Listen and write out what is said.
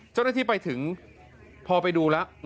เจ้าหน้าที่ไปถึงพอไปดูแล้ว